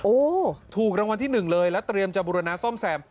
โอ้ถูกรางวัลที่๑เลยแล้วเตรียมจบบุรณะส้มแสม